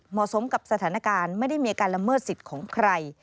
กับสถานการณ์ไม่ได้มีการละเมิดสิทธิ์ของใคร